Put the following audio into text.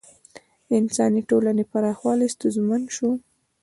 د انساني ټولنې پراخوالی ستونزمن شو.